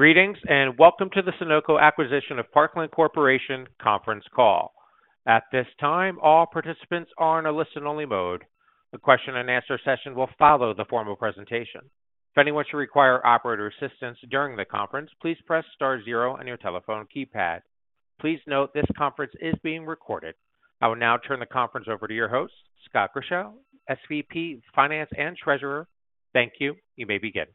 Greetings and welcome to the Sunoco Acquisition of Parkland Corporation conference call. At this time, all participants are in a listen-only mode. The question-and-answer session will follow the formal presentation. If anyone should require operator assistance during the conference, please press star zero on your telephone keypad. Please note this conference is being recorded. I will now turn the conference over to your host, Scott Grischow, SVP, Finance and Treasurer. Thank you. You may begin.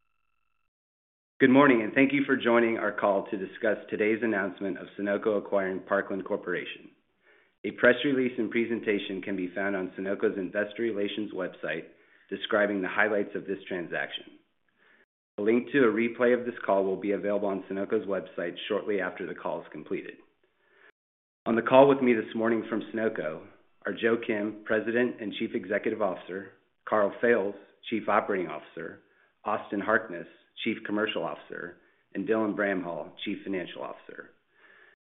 Good morning, and thank you for joining our call to discuss today's announcement of Sunoco acquiring Parkland Corporation. A press release and presentation can be found on Sunoco's investor relations website describing the highlights of this transaction. A link to a replay of this call will be available on Sunoco's website shortly after the call is completed. On the call with me this morning from Sunoco are Joe Kim, President and Chief Executive Officer, Karl Fails, Chief Operating Officer, Austin Harkness, Chief Commercial Officer, and Dylan Bramhall, Chief Financial Officer.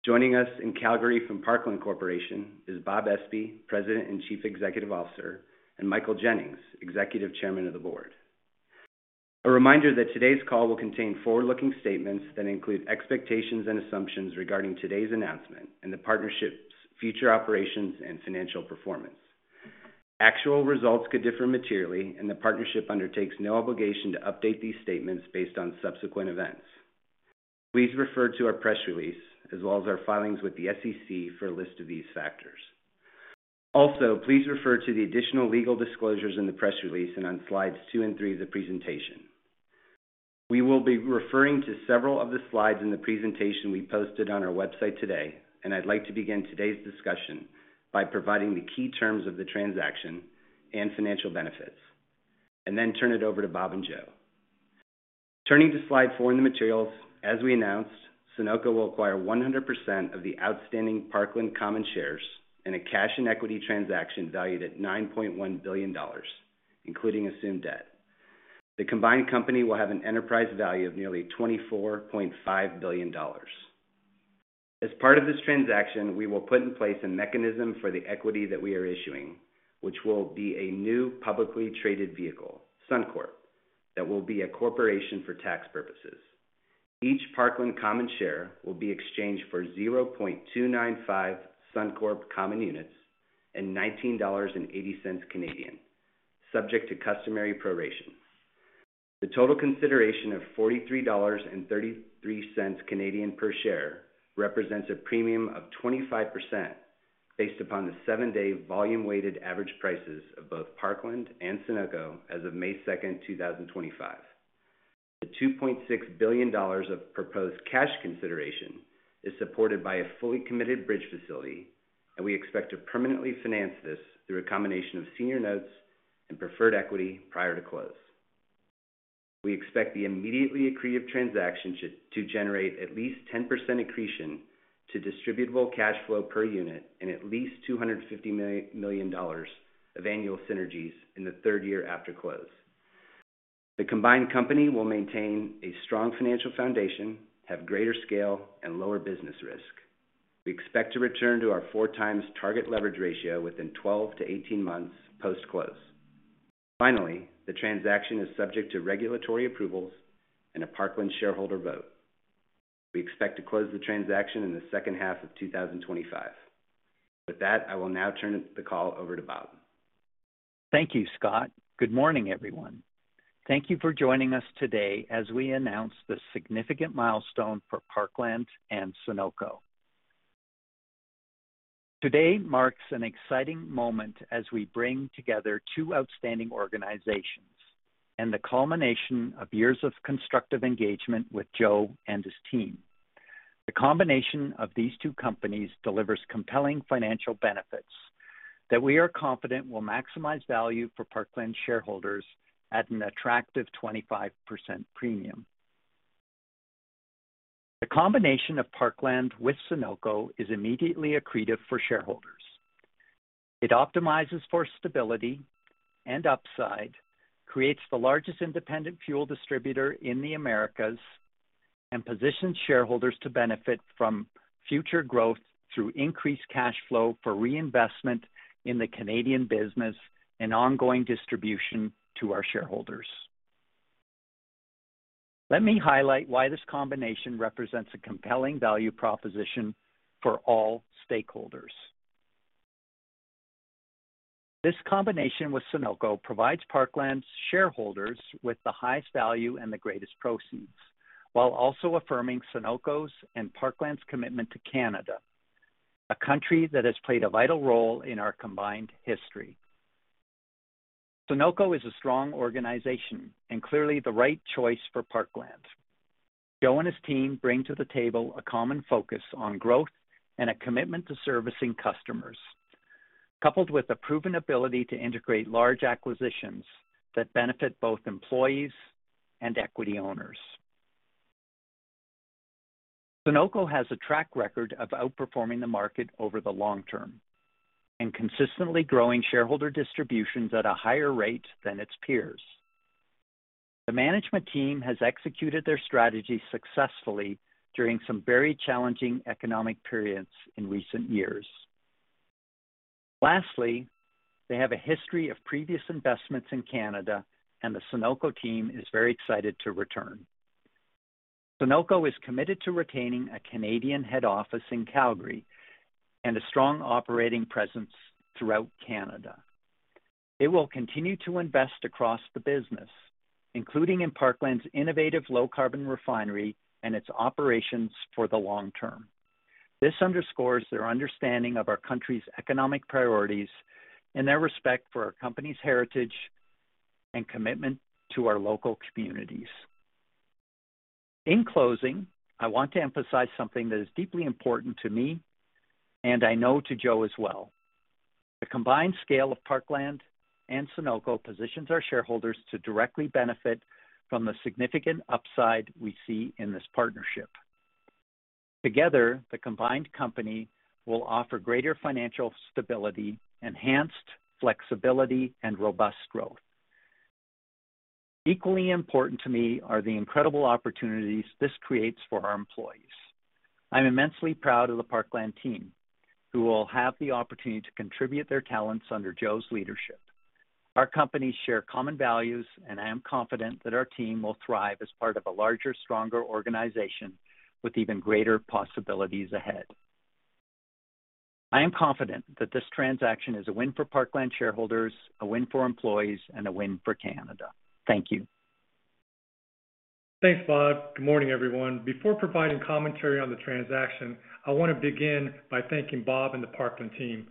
Joining us in Calgary from Parkland Corporation is Bob Espey, President and Chief Executive Officer, and Michael Jennings, Executive Chairman of the Board. A reminder that today's call will contain forward-looking statements that include expectations and assumptions regarding today's announcement and the partnership's future operations and financial performance. Actual results could differ materially, and the partnership undertakes no obligation to update these statements based on subsequent events. Please refer to our press release, as well as our filings with the SEC, for a list of these factors. Also, please refer to the additional legal disclosures in the press release and on slides two and three of the presentation. We will be referring to several of the slides in the presentation we posted on our website today, and I'd like to begin today's discussion by providing the key terms of the transaction and financial benefits, and then turn it over to Bob and Joe. Turning to slide four in the materials, as we announced, Sunoco will acquire 100% of the outstanding Parkland common shares in a cash and equity transaction valued at $9.1 billion, including assumed debt. The combined company will have an enterprise value of nearly $24.5 billion. As part of this transaction, we will put in place a mechanism for the equity that we are issuing, which will be a new publicly traded vehicle, Sunoco Corp, that will be a corporation for tax purposes. Each Parkland common share will be exchanged for 0.295 Sunoco Corp common units and 19.80 Canadian dollars, subject to customary proration. The total consideration of 43.33 Canadian dollars per share represents a premium of 25% based upon the seven-day volume-weighted average prices of both Parkland and Sunoco as of May 2, 2025. The $2.6 billion of proposed cash consideration is supported by a fully committed bridge facility, and we expect to permanently finance this through a combination of senior notes and preferred equity prior to close. We expect the immediately accretive transaction to generate at least 10% accretion to distributable cash flow per unit and at least $250 million of annual synergies in the third year after close. The combined company will maintain a strong financial foundation, have greater scale, and lower business risk. We expect to return to our four-times target leverage ratio within 12-18 months post-close. Finally, the transaction is subject to regulatory approvals and a Parkland shareholder vote. We expect to close the transaction in the second half of 2025. With that, I will now turn the call over to Bob. Thank you, Scott. Good morning, everyone. Thank you for joining us today as we announce the significant milestone for Parkland and Sunoco. Today marks an exciting moment as we bring together two outstanding organizations and the culmination of years of constructive engagement with Joe and his team. The combination of these two companies delivers compelling financial benefits that we are confident will maximize value for Parkland shareholders at an attractive 25% premium. The combination of Parkland with Sunoco is immediately accretive for shareholders. It optimizes for stability and upside, creates the largest independent fuel distributor in the Americas, and positions shareholders to benefit from future growth through increased cash flow for reinvestment in the Canadian business and ongoing distribution to our shareholders. Let me highlight why this combination represents a compelling value proposition for all stakeholders. This combination with Sunoco provides Parkland's shareholders with the highest value and the greatest proceeds, while also affirming Sunoco's and Parkland's commitment to Canada, a country that has played a vital role in our combined history. Sunoco is a strong organization and clearly the right choice for Parkland. Joe and his team bring to the table a common focus on growth and a commitment to servicing customers, coupled with a proven ability to integrate large acquisitions that benefit both employees and equity owners. Sunoco has a track record of outperforming the market over the long term and consistently growing shareholder distributions at a higher rate than its peers. The management team has executed their strategy successfully during some very challenging economic periods in recent years. Lastly, they have a history of previous investments in Canada, and the Sunoco team is very excited to return. Sunoco is committed to retaining a Canadian head office in Calgary and a strong operating presence throughout Canada. They will continue to invest across the business, including in Parkland's innovative low-carbon refinery and its operations for the long term. This underscores their understanding of our country's economic priorities and their respect for our company's heritage and commitment to our local communities. In closing, I want to emphasize something that is deeply important to me, and I know to Joe as well. The combined scale of Parkland and Sunoco positions our shareholders to directly benefit from the significant upside we see in this partnership. Together, the combined company will offer greater financial stability, enhanced flexibility, and robust growth. Equally important to me are the incredible opportunities this creates for our employees. I'm immensely proud of the Parkland team, who will have the opportunity to contribute their talents under Joe's leadership. Our companies share common values, and I am confident that our team will thrive as part of a larger, stronger organization with even greater possibilities ahead. I am confident that this transaction is a win for Parkland shareholders, a win for employees, and a win for Canada. Thank you. Thanks, Bob. Good morning, everyone. Before providing commentary on the transaction, I want to begin by thanking Bob and the Parkland team.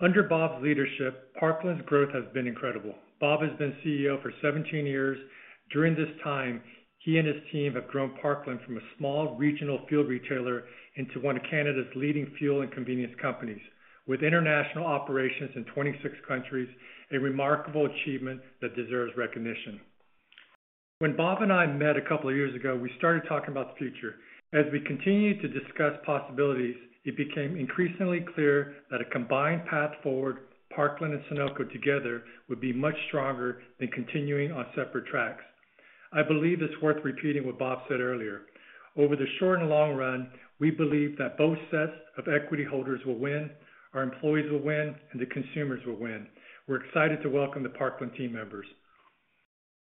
Under Bob's leadership, Parkland's growth has been incredible. Bob has been CEO for 17 years. During this time, he and his team have grown Parkland from a small regional fuel retailer into one of Canada's leading fuel and convenience companies, with international operations in 26 countries, a remarkable achievement that deserves recognition. When Bob and I met a couple of years ago, we started talking about the future. As we continued to discuss possibilities, it became increasingly clear that a combined path forward, Parkland and Sunoco together, would be much stronger than continuing on separate tracks. I believe it's worth repeating what Bob said earlier. Over the short and long run, we believe that both sets of equity holders will win, our employees will win, and the consumers will win. We're excited to welcome the Parkland team members.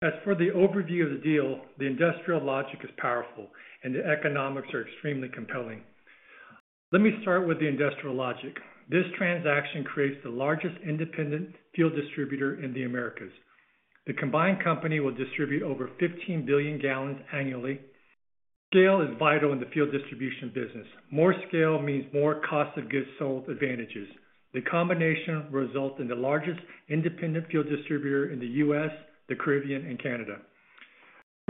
As for the overview of the deal, the industrial logic is powerful, and the economics are extremely compelling. Let me start with the industrial logic. This transaction creates the largest independent fuel distributor in the Americas. The combined company will distribute over 15 billion gallons annually. Scale is vital in the fuel distribution business. More scale means more cost of goods sold advantages. The combination results in the largest independent fuel distributor in the US, the Caribbean, and Canada.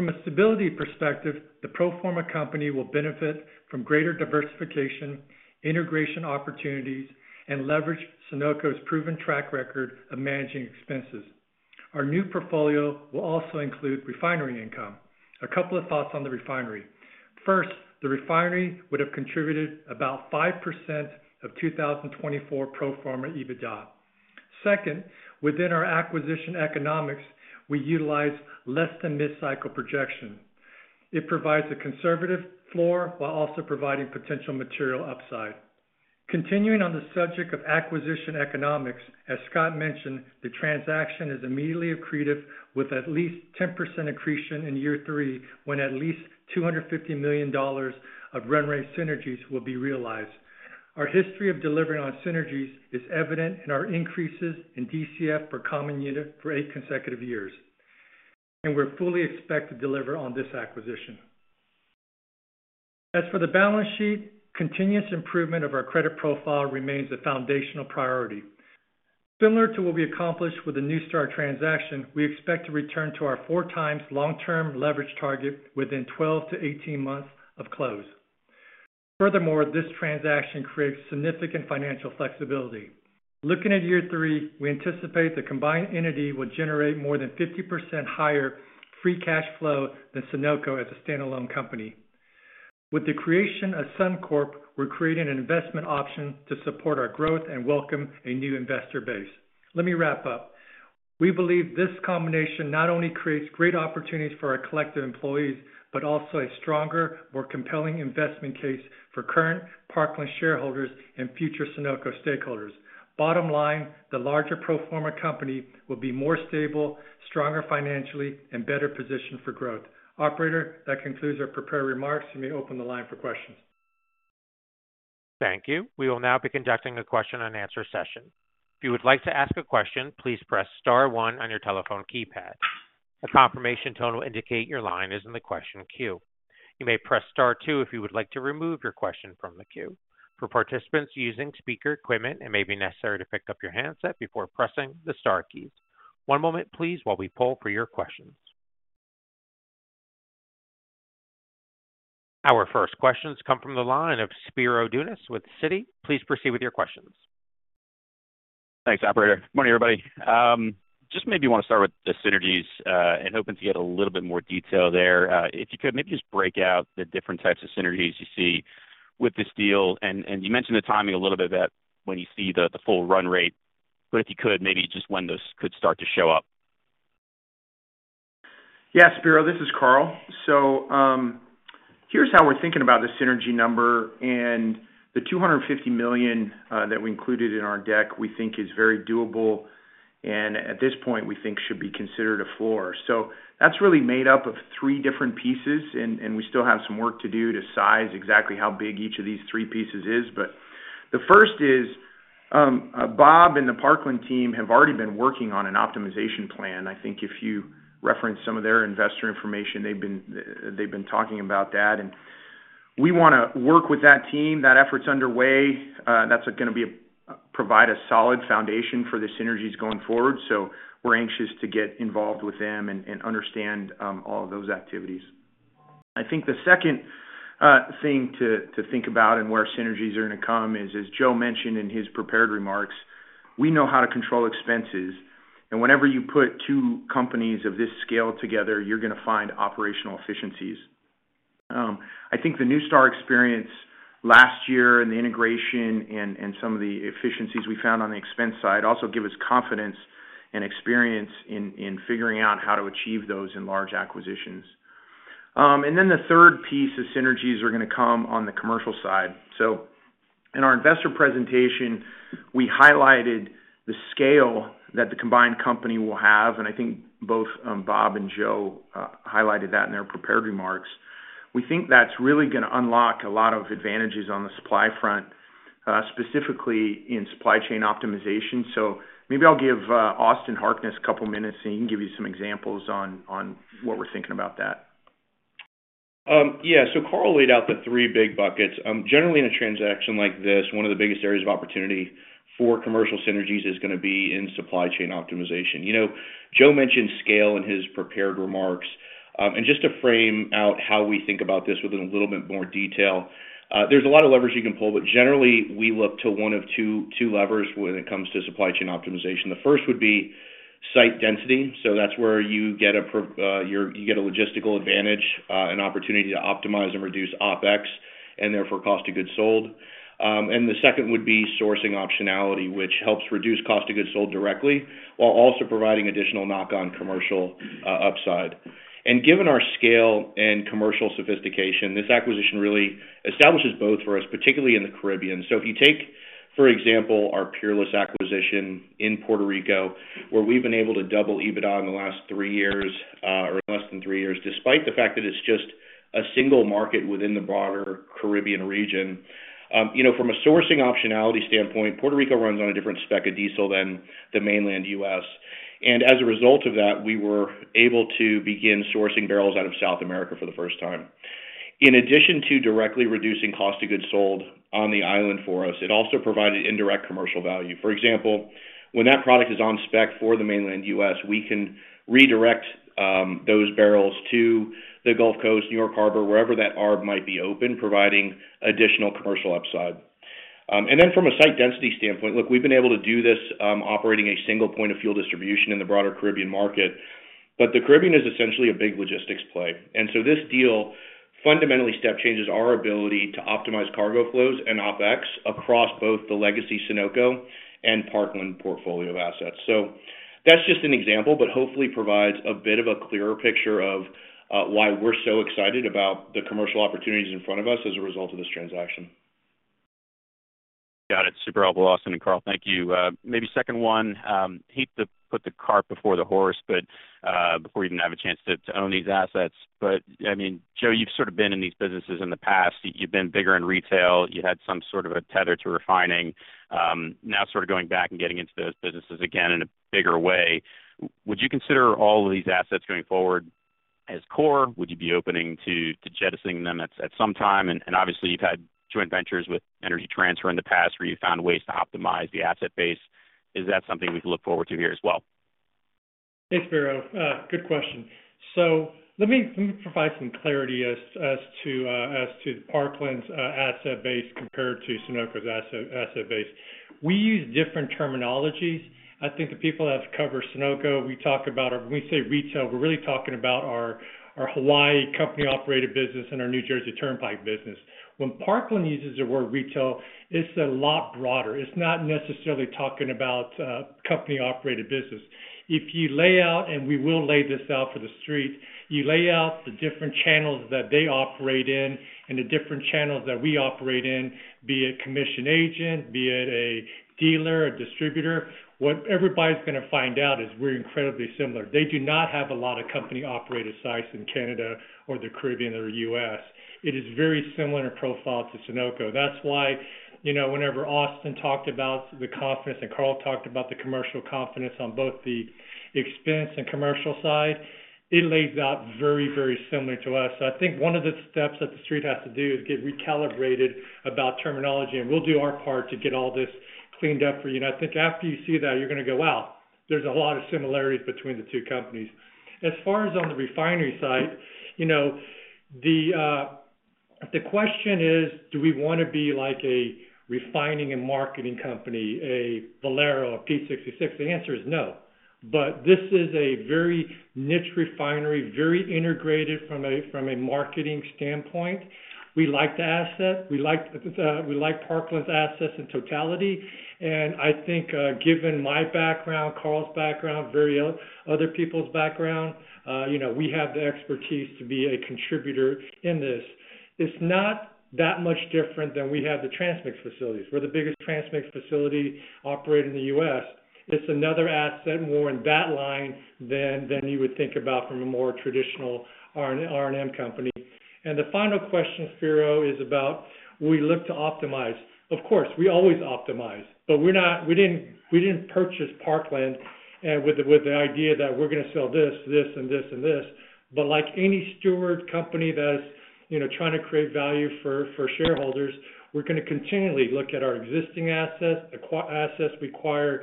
From a stability perspective, the pro forma company will benefit from greater diversification, integration opportunities, and leverage Sunoco's proven track record of managing expenses. Our new portfolio will also include refinery income. A couple of thoughts on the refinery. First, the refinery would have contributed about 5% of 2024 pro forma EBITDA. Second, within our acquisition economics, we utilize less-than-mid-cycle projection. It provides a conservative floor while also providing potential material upside. Continuing on the subject of acquisition economics, as Scott mentioned, the transaction is immediately accretive with at least 10% accretion in year three when at least $250 million of run rate synergies will be realized. Our history of delivering on synergies is evident in our increases in DCF per common unit for eight consecutive years, and we are fully expected to deliver on this acquisition. As for the balance sheet, continuous improvement of our credit profile remains a foundational priority. Similar to what we accomplished with the NuStar Energy transaction, we expect to return to our four-times long-term leverage target within 12-18 months of close. Furthermore, this transaction creates significant financial flexibility. Looking at year three, we anticipate the combined entity will generate more than 50% higher free cash flow than Sunoco as a standalone company. With the creation of SunocoCorp, we're creating an investment option to support our growth and welcome a new investor base. Let me wrap up. We believe this combination not only creates great opportunities for our collective employees, but also a stronger, more compelling investment case for current Parkland shareholders and future Sunoco stakeholders. Bottom line, the larger pro forma company will be more stable, stronger financially, and better positioned for growth. Operator, that concludes our prepared remarks. You may open the line for questions. Thank you. We will now be conducting a question-and-answer session. If you would like to ask a question, please press star one on your telephone keypad. A confirmation tone will indicate your line is in the question queue. You may press star two if you would like to remove your question from the queue. For participants using speaker equipment, it may be necessary to pick up your handset before pressing the star keys. One moment, please, while we pull for your questions. Our first questions come from the line of Spiro Dounis with Citi. Please proceed with your questions. Thanks, Operator. Good morning, everybody. Just maybe want to start with the synergies and hoping to get a little bit more detail there. If you could, maybe just break out the different types of synergies you see with this deal. You mentioned the timing a little bit, when you see the full run rate, but if you could, maybe just when those could start to show up. Yeah, Spiro, this is Karl. Here's how we're thinking about the synergy number. The $250 million that we included in our deck we think is very doable, and at this point, we think should be considered a floor. That's really made up of three different pieces, and we still have some work to do to size exactly how big each of these three pieces is. The first is Bob and the Parkland team have already been working on an optimization plan. I think if you reference some of their investor information, they've been talking about that. We want to work with that team. That effort's underway. That's going to provide a solid foundation for the synergies going forward. We're anxious to get involved with them and understand all of those activities. I think the second thing to think about and where synergies are going to come is, as Joe mentioned in his prepared remarks, we know how to control expenses. Whenever you put two companies of this scale together, you're going to find operational efficiencies. I think the NuStar experience last year and the integration and some of the efficiencies we found on the expense side also give us confidence and experience in figuring out how to achieve those in large acquisitions. The third piece of synergies are going to come on the commercial side. In our investor presentation, we highlighted the scale that the combined company will have. I think both Bob and Joe highlighted that in their prepared remarks. We think that's really going to unlock a lot of advantages on the supply front, specifically in supply chain optimization. Maybe I'll give Austin Harkness a couple of minutes, and he can give you some examples on what we're thinking about that. Yeah. Karl laid out the three big buckets. Generally, in a transaction like this, one of the biggest areas of opportunity for commercial synergies is going to be in supply chain optimization. Joe mentioned scale in his prepared remarks. Just to frame out how we think about this with a little bit more detail, there are a lot of levers you can pull, but generally, we look to one of two levers when it comes to supply chain optimization. The first would be site density. That is where you get a logistical advantage, an opportunity to optimize and reduce OPEX, and therefore cost of goods sold. The second would be sourcing optionality, which helps reduce cost of goods sold directly while also providing additional knock-on commercial upside. Given our scale and commercial sophistication, this acquisition really establishes both for us, particularly in the Caribbean. If you take, for example, our Peerless acquisition in Puerto Rico, where we've been able to double EBITDA in the last three years or less than three years, despite the fact that it's just a single market within the broader Caribbean region. From a sourcing optionality standpoint, Puerto Rico runs on a different spec of diesel than the mainland U.S. As a result of that, we were able to begin sourcing barrels out of South America for the first time. In addition to directly reducing cost of goods sold on the island for us, it also provided indirect commercial value. For example, when that product is on spec for the mainland U.S., we can redirect those barrels to the Gulf Coast, New York Harbor, wherever that arb might be open, providing additional commercial upside. From a site density standpoint, look, we've been able to do this operating a single point of fuel distribution in the broader Caribbean market. The Caribbean is essentially a big logistics play. This deal fundamentally step changes our ability to optimize cargo flows and OPEX across both the legacy Sunoco and Parkland portfolio assets. That is just an example, but hopefully provides a bit of a clearer picture of why we're so excited about the commercial opportunities in front of us as a result of this transaction. Got it. Super helpful, Austin and Karl. Thank you. Maybe second one, hate to put the cart before the horse, but before you even have a chance to own these assets. I mean, Joe, you've sort of been in these businesses in the past. You've been bigger in retail. You had some sort of a tether to refining. Now sort of going back and getting into those businesses again in a bigger way. Would you consider all of these assets going forward as core? Would you be open to jettisoning them at some time? Obviously, you've had joint ventures with Energy Transfer in the past where you found ways to optimize the asset base. Is that something we can look forward to here as well? Thanks, Spiro. Good question. Let me provide some clarity as to Parkland's asset base compared to Sunoco's asset base. We use different terminologies. I think the people that have covered Sunoco, we talk about our, when we say retail, we're really talking about our Hawaii company-operated business and our New Jersey Turnpike business. When Parkland uses the word retail, it's a lot broader. It's not necessarily talking about company-operated business. If you lay out, and we will lay this out for the street, you lay out the different channels that they operate in and the different channels that we operate in, be it commission agent, be it a dealer, a distributor, what everybody's going to find out is we're incredibly similar. They do not have a lot of company-operated sites in Canada or the Caribbean or the US. It is very similar in profile to Sunoco. That's why whenever Austin talked about the confidence and Karl talked about the commercial confidence on both the expense and commercial side, it lays out very, very similar to us. I think one of the steps that the street has to do is get recalibrated about terminology, and we'll do our part to get all this cleaned up for you. I think after you see that, you're going to go, "Wow, there's a lot of similarities between the two companies." As far as on the refinery side, the question is, do we want to be like a refining and marketing company, a Valero, a P66? The answer is no. This is a very niche refinery, very integrated from a marketing standpoint. We like the asset. We like Parkland's assets in totality. I think given my background, Karl's background, very other people's background, we have the expertise to be a contributor in this. It's not that much different than we have the transmix facilities. We're the biggest transmix facility operator in the US. It's another asset more in that line than you would think about from a more traditional R&M company. The final question, Spiro, is about we look to optimize. Of course, we always optimize, but we didn't purchase Parkland with the idea that we're going to sell this, this, and this, and this. Like any steward company that is trying to create value for shareholders, we're going to continually look at our existing assets, the assets we acquire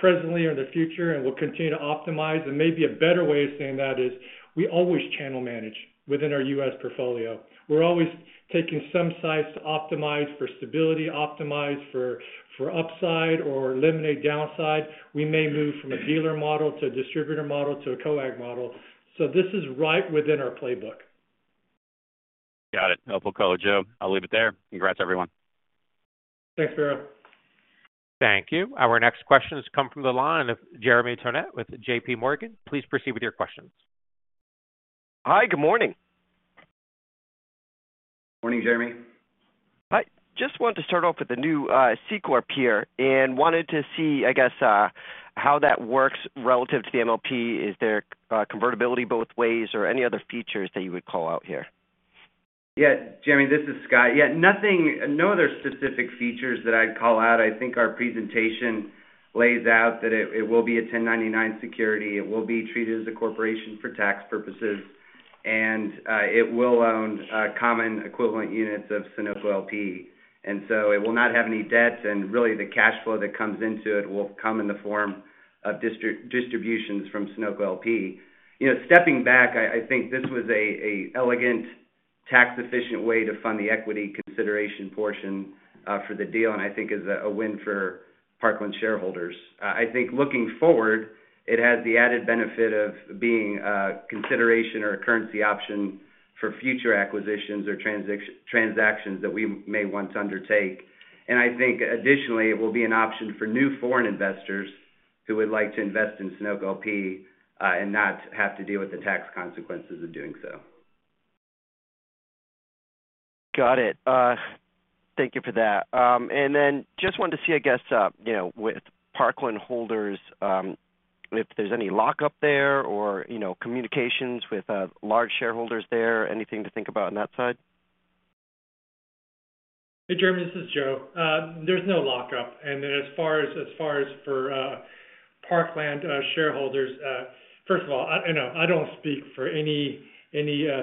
presently or in the future, and we'll continue to optimize. Maybe a better way of saying that is we always channel manage within our US portfolio. We're always taking some sites to optimize for stability, optimize for upside or eliminate downside. We may move from a dealer model to a distributor model to a commission agent model. This is right within our playbook. Got it. Helpful, cool. Joe, I'll leave it there. Congrats, everyone. Thanks, Spiro. Thank you. Our next questions come from the line of Jeremy Tonet with JP Morgan. Please proceed with your questions. Hi, good morning. Morning, Jeremy. Hi. Just wanted to start off with the new C Corp here and wanted to see, I guess, how that works relative to the MLP. Is there convertibility both ways or any other features that you would call out here? Yeah, Jeremy, this is Scott. Yeah, no other specific features that I'd call out. I think our presentation lays out that it will be a 1099 security. It will be treated as a corporation for tax purposes, and it will own common equivalent units of Sunoco LP. It will not have any debts, and really the cash flow that comes into it will come in the form of distributions from Sunoco LP. Stepping back, I think this was an elegant, tax-efficient way to fund the equity consideration portion for the deal, and I think is a win for Parkland shareholders. I think looking forward, it has the added benefit of being a consideration or a currency option for future acquisitions or transactions that we may want to undertake. I think additionally, it will be an option for new foreign investors who would like to invest in Sunoco LP and not have to deal with the tax consequences of doing so. Got it. Thank you for that. I just wanted to see, I guess, with Parkland holders, if there's any lockup there or communications with large shareholders there, anything to think about on that side? Hey, Jeremy, this is Joe. There's no lockup. As far as for Parkland shareholders, first of all, I don't speak for any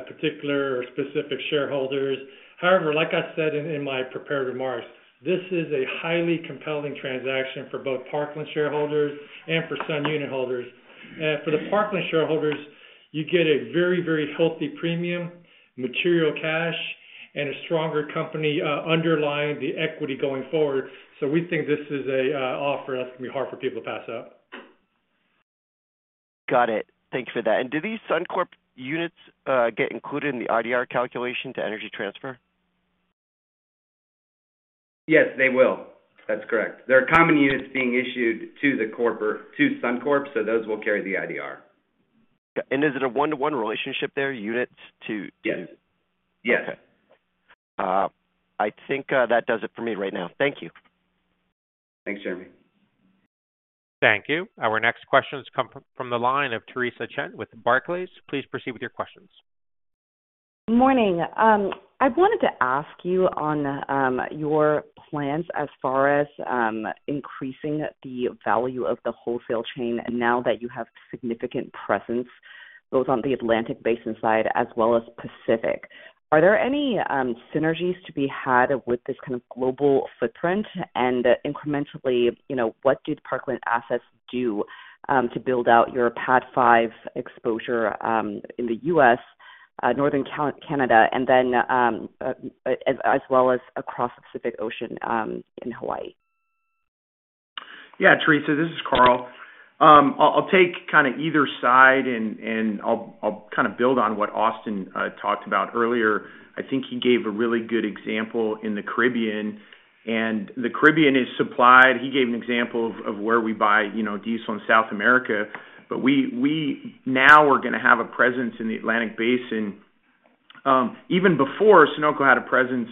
particular or specific shareholders. However, like I said in my prepared remarks, this is a highly compelling transaction for both Parkland shareholders and for Sun unit holders. For the Parkland shareholders, you get a very, very healthy premium, material cash, and a stronger company underlying the equity going forward. We think this is an offer that's going to be hard for people to pass up. Got it. Thank you for that. Do these Sunoco units get included in the IDR calculation to Energy Transfer? Yes, they will. That's correct. There are common units being issued to SunocoCorp, so those will carry the IDR. Okay. Is it a one-to-one relationship there, units to? Yes. Yes. Okay. I think that does it for me right now. Thank you. Thanks, Jeremy. Thank you. Our next questions come from the line of Teresa Chen with Barclays. Please proceed with your questions. Good morning. I wanted to ask you on your plans as far as increasing the value of the wholesale chain now that you have significant presence both on the Atlantic basin side as well as Pacific. Are there any synergies to be had with this kind of global footprint? And, incrementally, what did Parkland assets do to build out your PADD 5 exposure in the US, Northern Canada, and then as well as across the Pacific Ocean in Hawaii? Yeah, Teresa, this is Karl. I'll take kind of either side, and I'll kind of build on what Austin talked about earlier. I think he gave a really good example in the Caribbean. The Caribbean is supplied. He gave an example of where we buy diesel in South America. Now we're going to have a presence in the Atlantic basin. Even before, Sunoco had a presence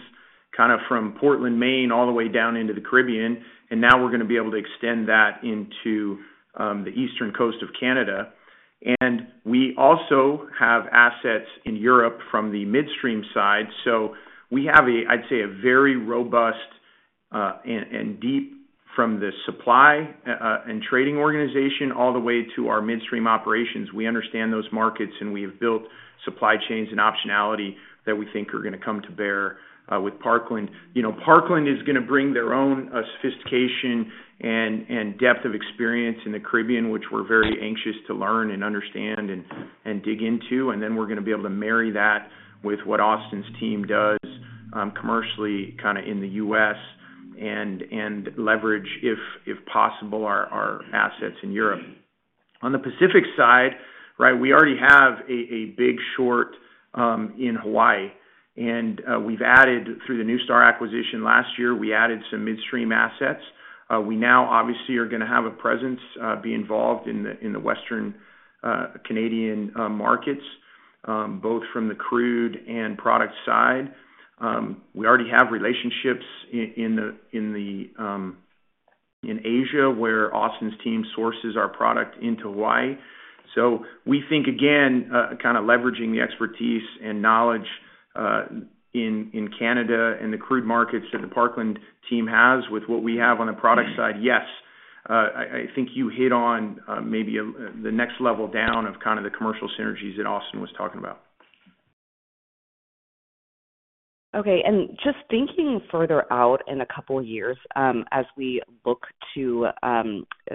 kind of from Portland Maine all the way down into the Caribbean. Now we're going to be able to extend that into the eastern coast of Canada. We also have assets in Europe from the midstream side. We have, I'd say, a very robust and deep, from the supply and trading organization all the way to our midstream operations. We understand those markets, and we have built supply chains and optionality that we think are going to come to bear with Parkland. Parkland is going to bring their own sophistication and depth of experience in the Caribbean, which we are very anxious to learn and understand and dig into. We are going to be able to marry that with what Austin's team does commercially kind of in the US and leverage, if possible, our assets in Europe. On the Pacific side, right, we already have a big short in Hawaii. We have added through the NuStar acquisition last year, we added some midstream assets. We now obviously are going to have a presence, be involved in the Western Canadian markets, both from the crude and product side. We already have relationships in Asia where Austin's team sources our product into Hawaii. We think, again, kind of leveraging the expertise and knowledge in Canada and the crude markets that the Parkland team has with what we have on the product side, yes, I think you hit on maybe the next level down of kind of the commercial synergies that Austin was talking about. Okay. Just thinking further out in a couple of years, as we look to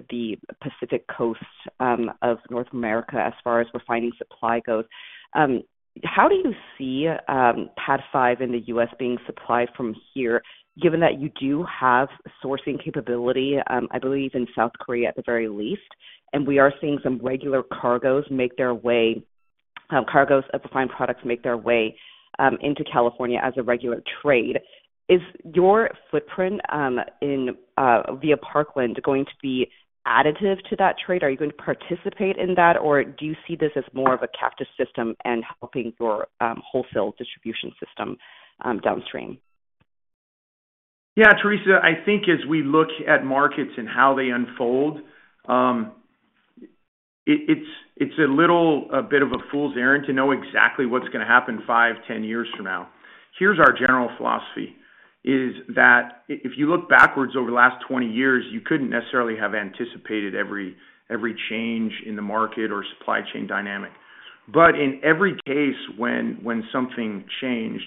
the Pacific Coast of North America as far as refining supply goes, how do you see PADD5 in the US being supplied from here, given that you do have sourcing capability, I believe, in South Korea at the very least, and we are seeing some regular cargoes make their way, cargoes of refined products make their way into California as a regular trade? Is your footprint via Parkland going to be additive to that trade? Are you going to participate in that, or do you see this as more of a captive system and helping your wholesale distribution system downstream? Yeah, Teresa, I think as we look at markets and how they unfold, it's a little bit of a fool's errand to know exactly what's going to happen 5, 10 years from now. Here's our general philosophy: if you look backwards over the last 20 years, you couldn't necessarily have anticipated every change in the market or supply chain dynamic. In every case when something changed,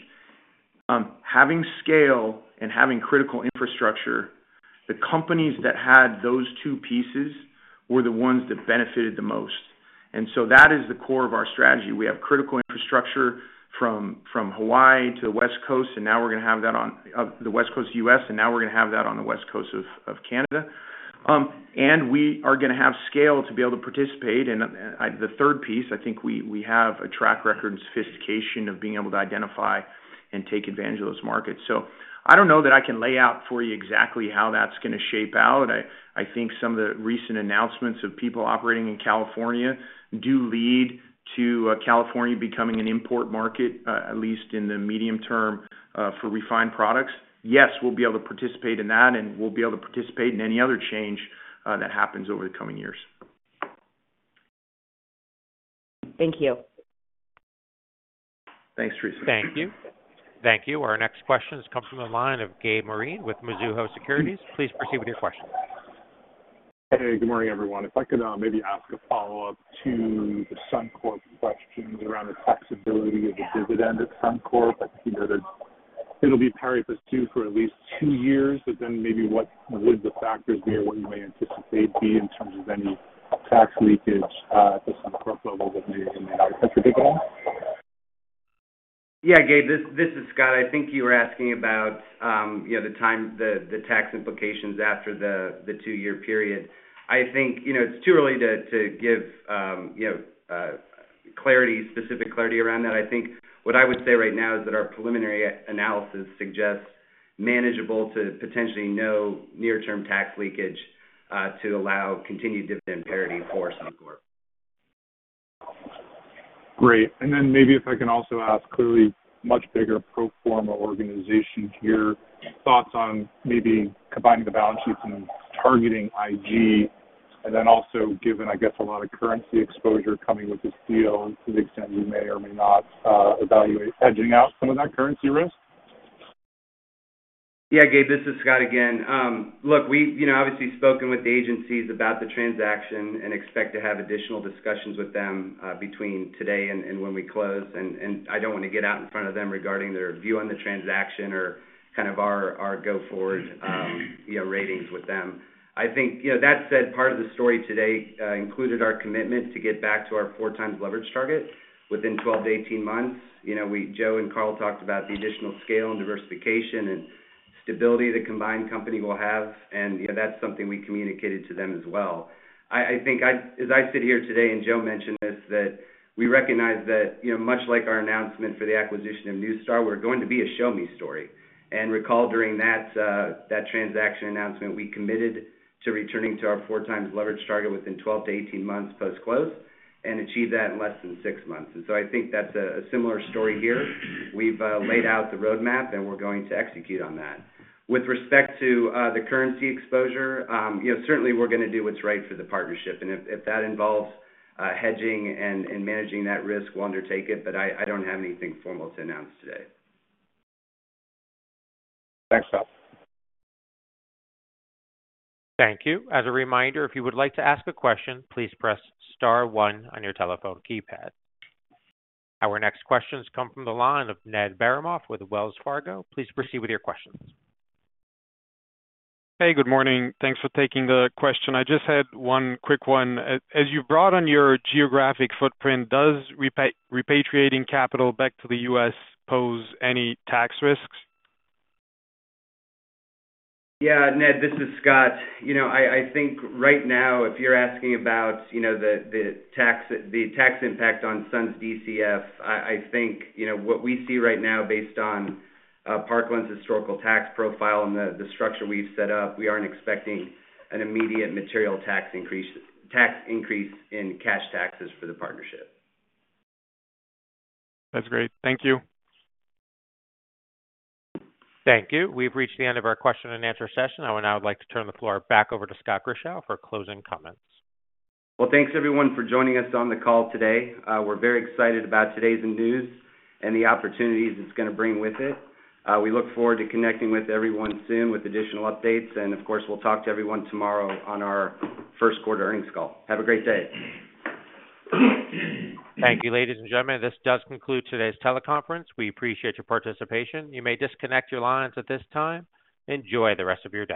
having scale and having critical infrastructure, the companies that had those two pieces were the ones that benefited the most. That is the core of our strategy. We have critical infrastructure from Hawaii to the West Coast, and now we're going to have that on the West Coast of the US, and now we're going to have that on the West Coast of Canada. We are going to have scale to be able to participate. The third piece, I think we have a track record and sophistication of being able to identify and take advantage of those markets. I do not know that I can lay out for you exactly how that is going to shape out. I think some of the recent announcements of people operating in California do lead to California becoming an import market, at least in the medium term for refined products. Yes, we will be able to participate in that, and we will be able to participate in any other change that happens over the coming years. Thank you. Thanks, Teresa. Thank you. Thank you. Our next questions come from the line of Gabe Maureen with Mizuho Securities. Please proceed with your questions. Hey, good morning, everyone. If I could maybe ask a follow-up to the Sunoco questions around the flexibility of the dividend at SunocoCorp. I think you noted it'll be pari passu for at least two years, but then maybe what would the factors be or what you may anticipate be in terms of any tax leakage at the SunocoCorp level that may be in the United States? Yeah, Gabe, this is Scott. I think you were asking about the tax implications after the two-year period. I think it's too early to give specific clarity around that. I think what I would say right now is that our preliminary analysis suggests manageable to potentially no near-term tax leakage to allow continued dividend parity for SunocoCorp. Great. Maybe if I can also ask clearly, much bigger pro forma organization here, thoughts on maybe combining the balance sheets and targeting IG, and then also given, I guess, a lot of currency exposure coming with this deal to the extent you may or may not evaluate hedging out some of that currency risk? Yeah, Gabe, this is Scott again. Look, we've obviously spoken with the agencies about the transaction and expect to have additional discussions with them between today and when we close. I don't want to get out in front of them regarding their view on the transaction or kind of our go-forward ratings with them. I think that said, part of the story today included our commitment to get back to our four-times leverage target within 12-18 months. Joe and Karl talked about the additional scale and diversification and stability the combined company will have. That's something we communicated to them as well. I think as I sit here today and Joe mentioned this, we recognize that much like our announcement for the acquisition of NuStar, we're going to be a show-me story. Recall during that transaction announcement, we committed to returning to our four-times leverage target within 12-18 months post-close and achieved that in less than six months. I think that's a similar story here. We've laid out the roadmap, and we're going to execute on that. With respect to the currency exposure, certainly we're going to do what's right for the partnership. If that involves hedging and managing that risk, we'll undertake it. I don't have anything formal to announce today. Thanks, Scott. Thank you. As a reminder, if you would like to ask a question, please press star one on your telephone keypad. Our next questions come from the line of Ned Baramov with Wells Fargo. Please proceed with your questions. Hey, good morning. Thanks for taking the question. I just had one quick one. As you brought on your geographic footprint, does repatriating capital back to the U.S. pose any tax risks? Yeah, Ned, this is Scott. I think right now, if you're asking about the tax impact on Sun's DCF, I think what we see right now based on Parkland's historical tax profile and the structure we've set up, we aren't expecting an immediate material tax increase in cash taxes for the partnership. That's great. Thank you. Thank you. We've reached the end of our question and answer session. I would now like to turn the floor back over to Scott Grischow for closing comments. Thanks everyone for joining us on the call today. We're very excited about today's news and the opportunities it's going to bring with it. We look forward to connecting with everyone soon with additional updates. Of course, we'll talk to everyone tomorrow on our first quarter earnings call. Have a great day. Thank you, ladies and gentlemen. This does conclude today's teleconference. We appreciate your participation. You may disconnect your lines at this time. Enjoy the rest of your day.